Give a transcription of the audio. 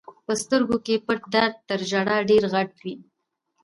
په سترګو کې پټ درد تر ژړا ډېر غټ وي.